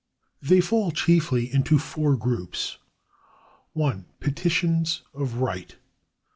They fall chiefly into four groups : (1) Petitions of Right.